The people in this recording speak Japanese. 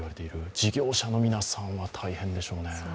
事業者の皆さんは大変でしょうね。